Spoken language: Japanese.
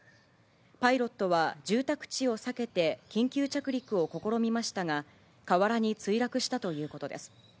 パイロットは住宅地を避けて緊急着陸を試みましたが、河原に墜落したということです。